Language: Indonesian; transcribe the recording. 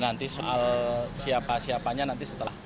nanti soal siapa siapanya nanti setelah